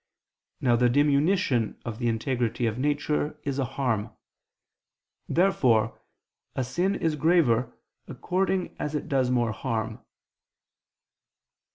Now the diminution of the integrity of nature is a harm. Therefore a sin is graver according as it does more harm.